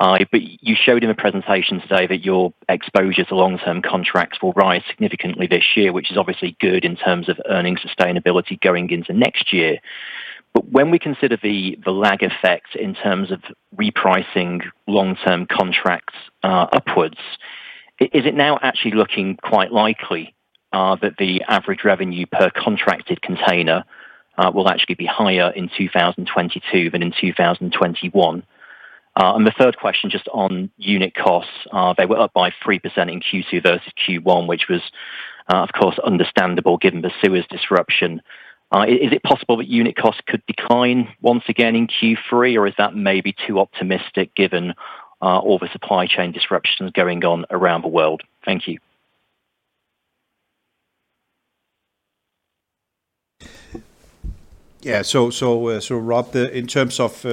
You showed in the presentation today that your exposure to long-term contracts will rise significantly this year, which is obviously good in terms of earnings sustainability going into next year. When we consider the lag effects in terms of repricing long-term contracts upwards, is it now actually looking quite likely that the average revenue per contracted container will actually be higher in 2022 than in 2021? The third question just on unit costs. They were up by 3% in Q2 versus Q1, which was, of course, understandable given the Suez disruption. Is it possible that unit costs could decline once again in Q3, or is that maybe too optimistic given all the supply chain disruptions going on around the world? Thank you. Yeah. Rob, in terms of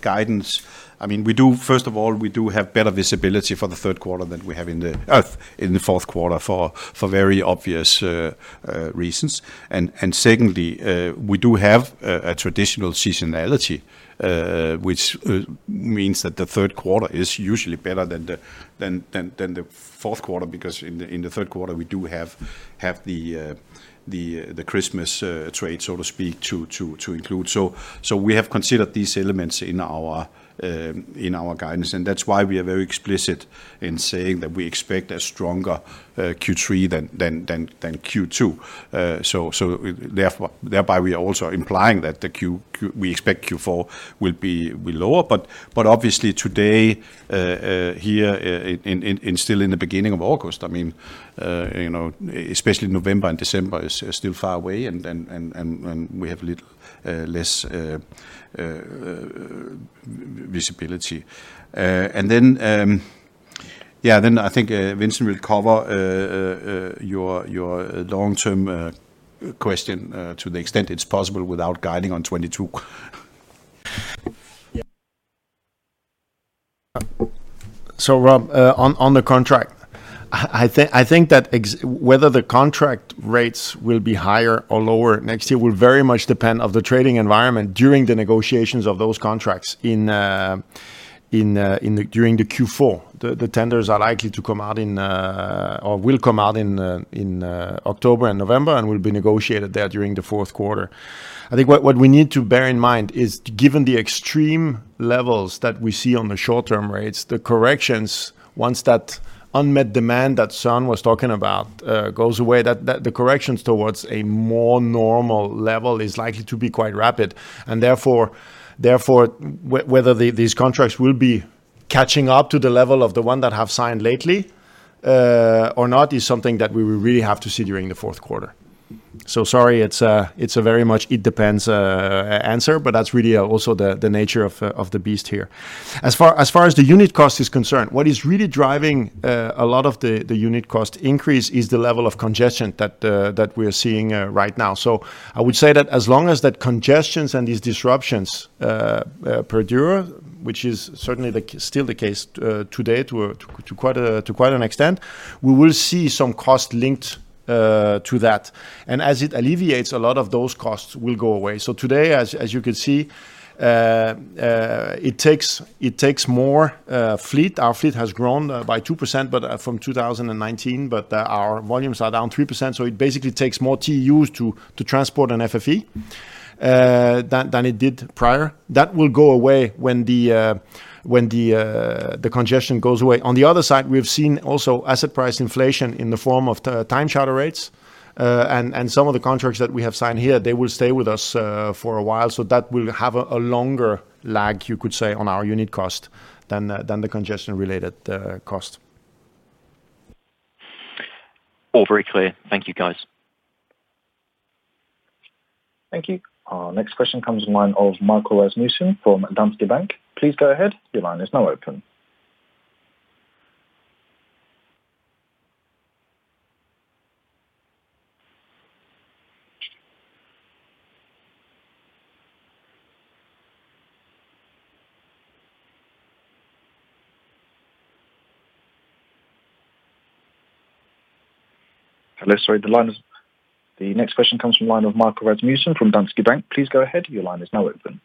guidance, first of all, we do have better visibility for the third quarter than we have in the fourth quarter for very obvious reasons. Secondly, we do have a traditional seasonality, which means that the third quarter is usually better than the fourth quarter, because in the third quarter, we do have the Christmas trade, so to speak, to include. We have considered these elements in our guidance, and that's why we are very explicit in saying that we expect a stronger Q3 than Q2. Thereby, we are also implying that we expect Q4 will be lower. Obviously today, here, and still in the beginning of August, especially November and December is still far away, and we have a little less visibility. I think Vincent will cover your long-term question to the extent it's possible without guiding on 2022. Rob, on the contract, I think that whether the contract rates will be higher or lower next year will very much depend on the trading environment during the negotiations of those contracts during the Q4. The tenders are likely to come out in, or will come out in October and November, and will be negotiated there during the fourth quarter. I think what we need to bear in mind is, given the extreme levels that we see on the short-term rates, the corrections, once that unmet demand that Søren was talking about goes away, that the corrections towards a more normal level is likely to be quite rapid. Therefore, whether these contracts will be catching up to the level of the one that have signed lately or not is something that we will really have to see during the fourth quarter. Sorry, it's a very much it depends answer, but that's really also the nature of the beast here. As far as the unit cost is concerned, what is really driving a lot of the unit cost increase is the level of congestion that we're seeing right now. I would say that as long as that congestions and these disruptions perdure, which is certainly still the case today to quite an extent, we will see some cost linked to that. As it alleviates, a lot of those costs will go away. Today, as you can see, it takes more fleet. Our fleet has grown by 2% from 2019, but our volumes are down 3%, so it basically takes more TEUs to transport an FFE than it did prior. That will go away when the congestion goes away. On the other side, we have seen also asset price inflation in the form of time charter rates. Some of the contracts that we have signed here, they will stay with us for a while. That will have a longer lag, you could say, on our unit cost than the congestion-related cost. All very clear. Thank you, guys. Thank you. Our next question comes in line of Michael Vitfell-Rasmussen from Danske Bank. Please go ahead. Your line is now open. Hello. Sorry. The next question comes from line of Michael Vitfell-Rasmussen from Danske Bank. Please go ahead. Your line is now open.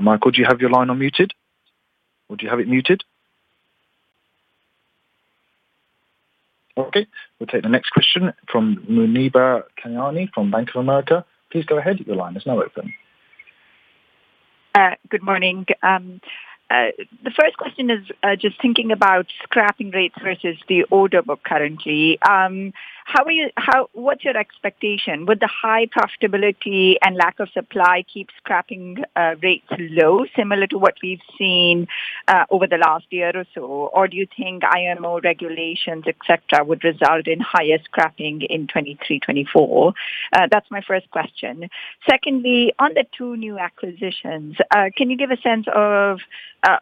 Michael, do you have your line unmuted? Or do you have it muted? Okay. We'll take the next question from Muneeba Kayani from Bank of America. Please go ahead. Your line is now open. Good morning. The first question is just thinking about scrapping rates versus the order book currently. What's your expectation? Would the high profitability and lack of supply keep scrapping rates low, similar to what we've seen over the last year or so? Or do you think IMO regulations, et cetera, would result in higher scrapping in 2023, 2024? That's my first question. Secondly, on the two new acquisitions, can you give a sense of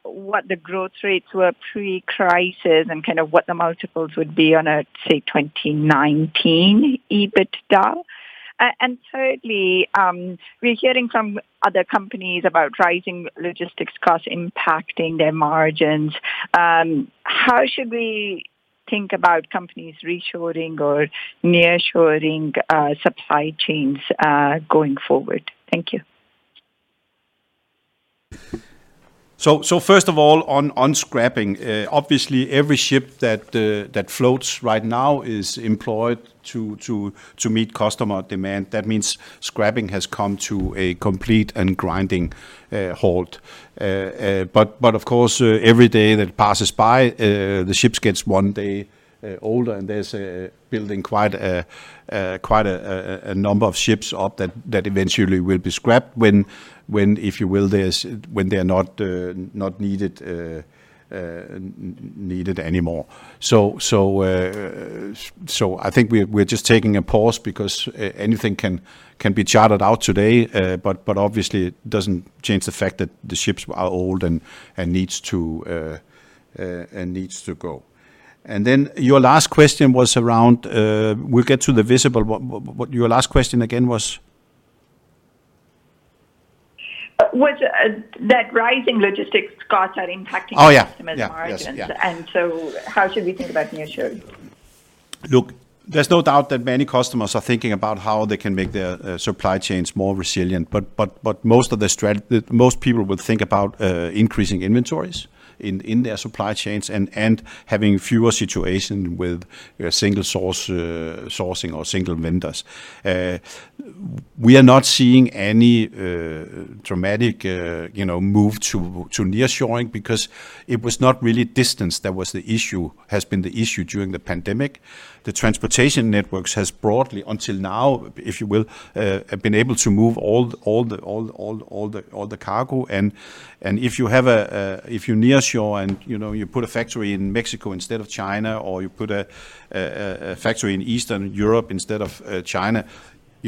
what the growth rates were pre-crisis and what the multiples would be on a, say, 2019 EBITDA? Thirdly, we're hearing from other companies about rising logistics costs impacting their margins. How should we think about companies reshoring or nearshoring supply chains going forward? Thank you. First of all, on scrapping, obviously every ship that floats right now is employed to meet customer demand. That means scrapping has come to a complete and grinding halt. Of course, every day that passes by, the ships gets one day older, and there's building quite a number of ships up that eventually will be scrapped when they're not needed anymore. I think we're just taking a pause because anything can be charted out today. Obviously, it doesn't change the fact that the ships are old and needs to go. Your last question was around, we'll get to the Visible, but your last question again was? Was that rising logistics costs are impacting. Oh, yeah. customer margins. Yes. How should we think about nearshoring? Look, there's no doubt that many customers are thinking about how they can make their supply chains more resilient, but most people would think about increasing inventories in their supply chains and having fewer situation with single sourcing or single vendors. We are not seeing any dramatic move to nearshoring because it was not really distance that has been the issue during the pandemic. The transportation networks has broadly, until now, if you will, have been able to move all the cargo. If you nearshore and you put a factory in Mexico instead of China, or you put a factory in Eastern Europe instead of China,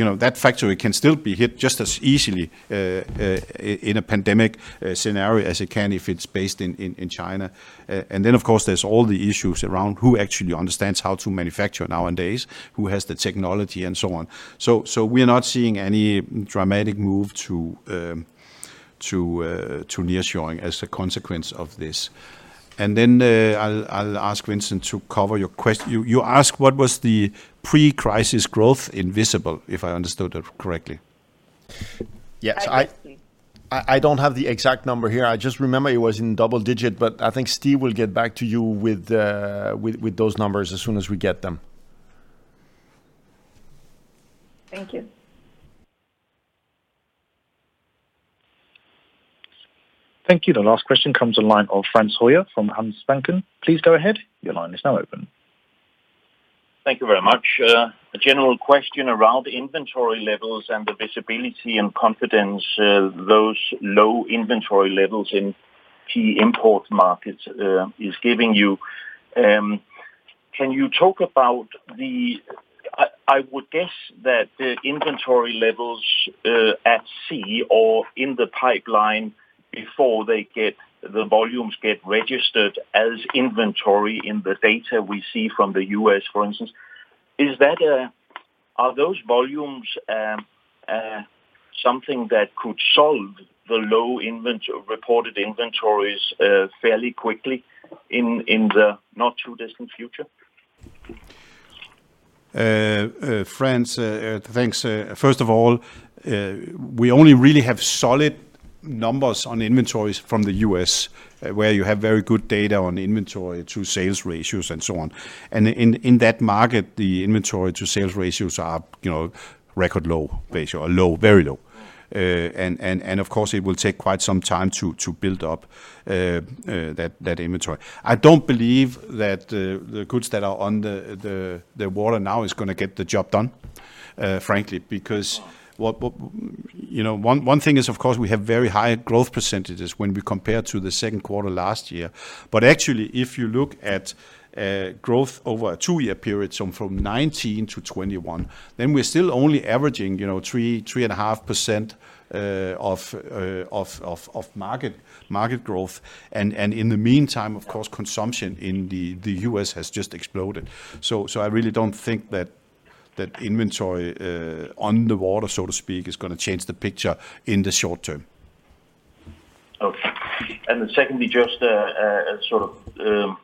that factory can still be hit just as easily in a pandemic scenario as it can if it's based in China. Of course, there's all the issues around who actually understands how to manufacture nowadays, who has the technology, and so on. We are not seeing any dramatic move to nearshoring as a consequence of this. I'll ask Vincent to cover your question. You asked what was the pre-crisis growth in Visible, if I understood that correctly. Yes, please. I don't have the exact number here. I just remember it was in double digit. I think Stig will get back to you with those numbers as soon as we get them. Thank you. Thank you. The last question comes on line of Frans Hoyer from Handelsbanken. Please go ahead. Thank you very much. A general question around inventory levels and the visibility and confidence those low inventory levels in key import markets is giving you. Can you talk about the, I would guess that the inventory levels at sea or in the pipeline before the volumes get registered as inventory in the data we see from the U.S., for instance. Are those volumes something that could solve the low reported inventories fairly quickly in the not too distant future? Frans, thanks. First of all, we only really have solid numbers on inventories from the U.S. where you have very good data on inventory to sales ratios and so on. In that market, the inventory to sales ratios are record low ratio or very low. Of course, it will take quite some time to build up that inventory. I don't believe that the goods that are on the water now is going to get the job done, frankly. One thing is, of course, we have very high growth percentage when we compare to the second quarter last year. Actually, if you look at growth over a two-year period, from 2019-2021, we're still only averaging 3.5% of market growth. In the meantime, of course, consumption in the U.S. has just exploded. I really don't think that inventory on the water, so to speak, is going to change the picture in the short-term. Okay. Secondly, just a sort of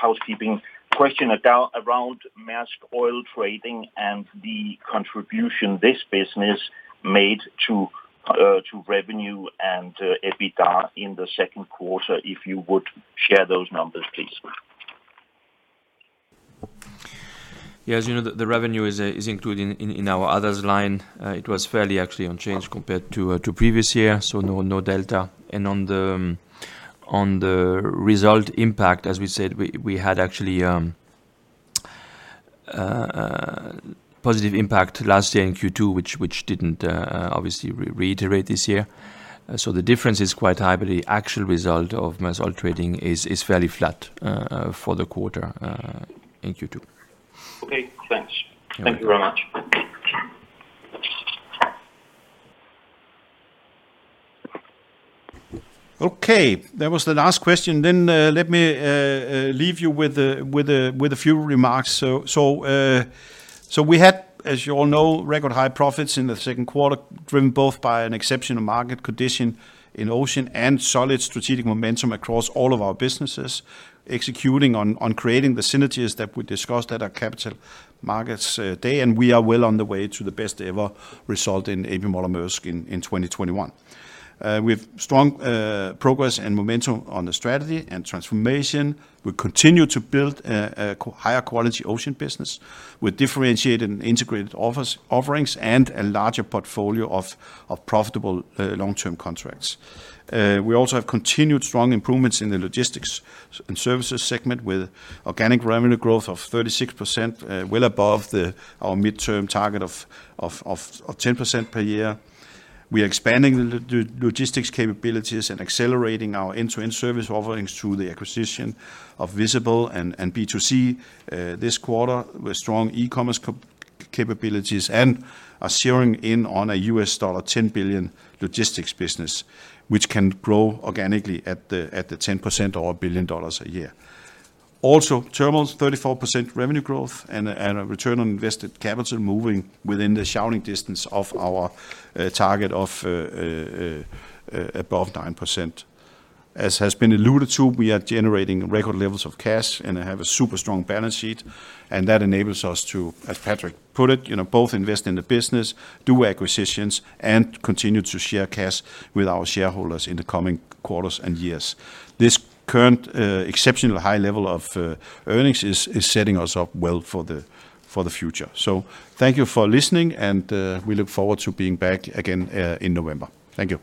housekeeping question around Maersk Oil Trading and the contribution this business made to revenue and EBITDA in the second quarter, if you would share those numbers, please. Yes. The revenue is included in our others line. It was fairly actually unchanged compared to previous year, so no delta. On the result impact, as we said, we had actually positive impact last year in Q2, which didn't obviously reiterate this year. The difference is quite high, but the actual result of Maersk Oil Trading is fairly flat for the quarter in Q2. Okay, thanks. Thank you very much. Okay, that was the last question then. Let me leave you with a few remarks. We had, as you all know, record-high profits in the second quarter, driven both by an exceptional market condition in ocean and solid strategic momentum across all of our businesses, executing on creating the synergies that we discussed at our Capital Markets Day. We are well on the way to the best ever result in A.P. Moller - Maersk in 2021. With strong progress and momentum on the strategy and transformation, we continue to build a higher quality ocean business with differentiated and integrated offerings and a larger portfolio of profitable long-term contracts. We also have continued strong improvements in the Logistics & Services segment, with organic revenue growth of 36%, well above our midterm target of 10% per year. We are expanding the logistics capabilities and accelerating our end-to-end service offerings through the acquisition of Visible and B2C this quarter, with strong e-commerce capabilities and are zeroing in on a $10 billion logistics business, which can grow organically at 10% or $1 billion a year. Terminals, 34% revenue growth and a return on invested capital moving within the shouting distance of our target of above 9%. As has been alluded to, we are generating record levels of cash and have a super strong balance sheet. That enables us to, as Patrick put it, both invest in the business, do acquisitions, and continue to share cash with our shareholders in the coming quarters and years. This current exceptionally high level of earnings is setting us up well for the future. Thank you for listening, and we look forward to being back again in November. Thank you.